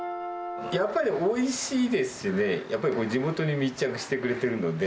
やっぱりおいしいですしね、やっぱり地元に密着してくれてるので。